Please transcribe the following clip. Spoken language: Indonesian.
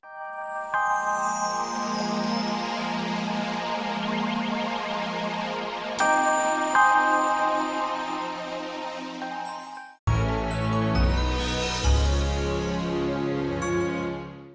boleh minta waktunya gak